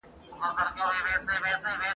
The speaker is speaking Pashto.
نه په شرم نه گناه به څوك پوهېږي !.